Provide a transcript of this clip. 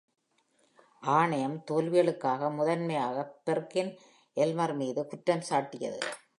ஆணையம் தோல்விகளுக்காக முதன்மையாக பெர்கின்-எல்மர் மீது குற்றம் சாட்டியது.